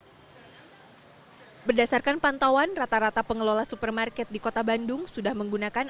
hai berdasarkan pantauan rata rata pengelola supermarket di kota bandung sudah menggunakan